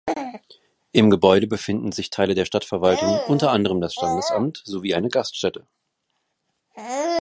Im Gebäude befinden sich Teile der Stadtverwaltung, unter anderem das Standesamt, sowie eine Gaststätte.